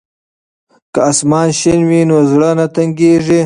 که اسمان شین وي نو زړه نه تنګیږي.